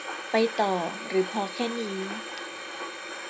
ไปต่อหรือพอแค่นี้